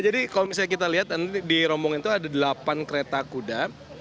jadi kalau misalnya kita lihat di rombong itu ada delapan kereta kuda